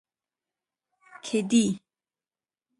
کې دی